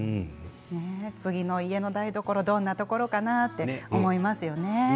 次の家の台所どんなところかなと思いますよね。